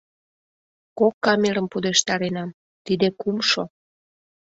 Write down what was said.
Кок камерым пудештаренам, тиде кумшо.